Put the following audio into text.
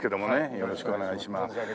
よろしくお願いします。